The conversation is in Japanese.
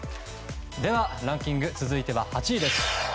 では、ランキング続いては８位です。